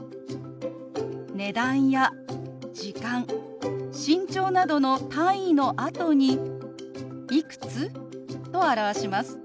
値段や時間身長などの単位のあとに「いくつ？」と表します。